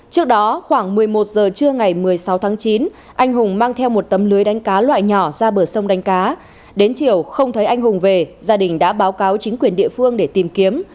trước đó khoảng một mươi một giờ trưa ngày một mươi sáu tháng chín anh hùng mang theo một tấm lưới đánh cá loại nhỏ ra bờ sông đánh cá đến chiều không thấy anh hùng về gia đình đã báo cáo chính quyền địa phương để tìm kiếm